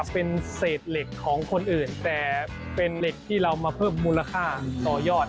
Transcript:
เป็นเศษเหล็กของคนอื่นแต่เป็นเหล็กที่เรามาเพิ่มมูลค่าต่อยอด